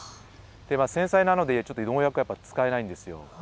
繊細なので農薬は使えないんです。